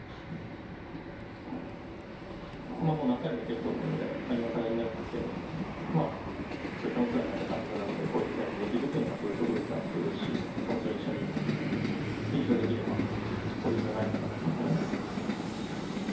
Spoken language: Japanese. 何回も言ってると思うので、今さらになるんですけど、お世話になった監督なので、こういう舞台でできるというのはすごい特別なことですし、もちろん一緒に優勝できればこれ以上ないかなと思います。